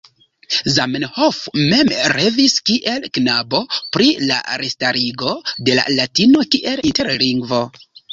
Zamenhof mem revis kiel knabo pri la restarigo de latino kiel interlingvo.